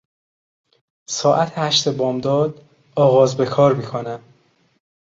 ساعت هشت بامداد آغاز به کار میکنم.